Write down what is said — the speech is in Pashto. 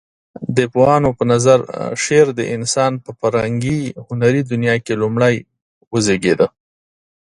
د پوهانو په نظر شعر د انسان په فرهنګي هنري دنيا کې لومړى وزيږيده.